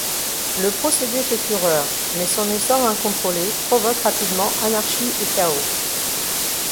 Le procédé fait fureur, mais son essor incontrôlé provoque rapidement anarchie et chaos.